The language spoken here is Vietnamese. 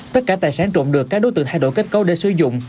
tất cả tài sản trộm được các đối tượng thay đổi kết cấu để sử dụng